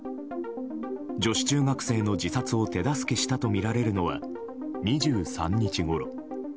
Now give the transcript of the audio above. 女子中学生の自殺を手助けしたとみられるのは２３日ごろ。